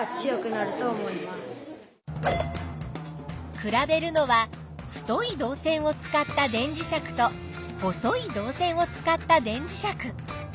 比べるのは太い導線を使った電磁石と細い導線を使った電磁石。